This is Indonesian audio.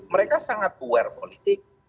mereka sangat aware politik